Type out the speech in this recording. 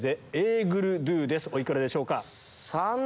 お幾らでしょうか？